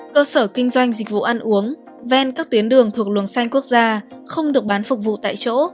cơ sở kinh doanh dịch vụ ăn uống ven các tuyến đường thuộc luồng xanh quốc gia không được bán phục vụ tại chỗ